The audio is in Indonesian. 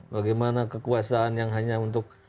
bagaimana kekuasaan yang hanya untuk